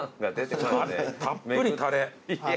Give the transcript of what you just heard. たっぷりたれ。